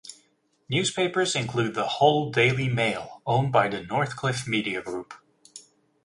Newspapers include the "Hull Daily Mail", owned by the Northcliffe Media group.